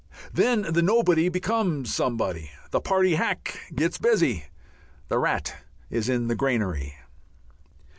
Then the nobody becomes somebody, the party hack gets busy, the rat is in the granary....